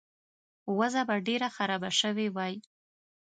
وضع به ډېره خرابه شوې وای.